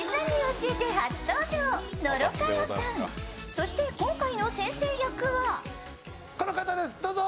そして今回の先生役はこの方です、どうぞ！